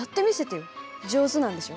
上手なんでしょ？